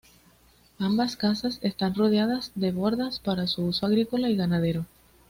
Ambas casas están rodeadas de bordas para uso agrícola y ganadero.